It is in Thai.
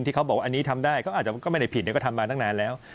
เขาบอกว่าอันนี้ทำได้เขาอาจจะก็ไม่ได้ผิดก็ทำมาตั้งนานแล้ว